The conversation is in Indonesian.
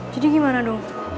jadi gimana dong